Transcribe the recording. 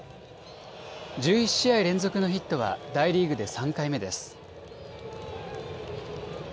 １１試合連続のヒットは大リーグで３回目です。